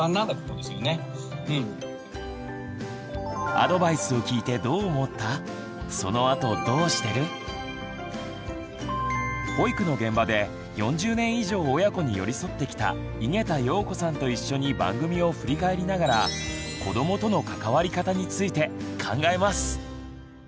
アドバイスを聞いて保育の現場で４０年以上親子に寄り添ってきた井桁容子さんと一緒に番組を振り返りながら子どもとの関わり方について考えます。